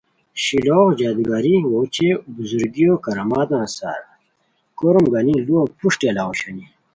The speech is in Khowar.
شیلوغہ جادوگری اوچے بزرگیو کراماتان سار کوروم گانی لوؤ پروشٹی الاؤ اوشونی